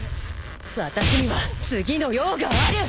私には次の用がある！